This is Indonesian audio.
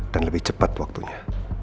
dan lebih cepat waktunya